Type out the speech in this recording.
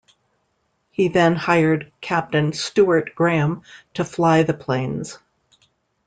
He then hired Captain Stuart Graham to fly the planes.